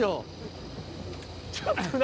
ちょっと何？